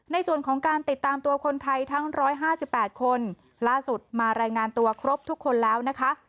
ในส่วนของการติดตามตัวคนไทยทั้ง๑๕๘คนล่าสุดมารายงานตัวครบทุกคนแล้วนะคะ